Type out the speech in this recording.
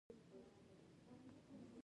په کار کې بېغوري کوله.